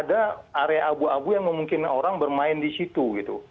dan kan ada area abu abu yang memungkinkan orang bermain di situ gitu